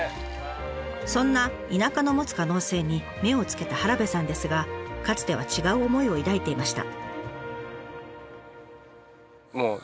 そんな田舎の持つ可能性に目をつけた原部さんですがかつては違う思いを抱いていました。